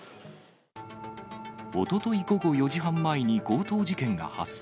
おととい午後４時半前に強盗事件が発生。